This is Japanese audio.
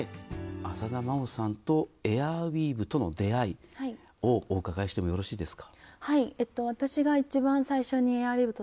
浅田真央さんとエアウィーヴとの出会いをお伺いしてもいいですか。